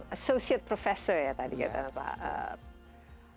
associate professor ya tadi ya pak halid